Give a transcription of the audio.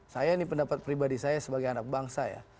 saya ini pendapat pribadi saya sebagai anak bangsa ya